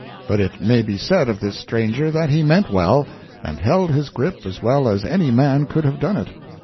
But it may be said of this stranger that he meant well, and held his grip as well as any man could have done it.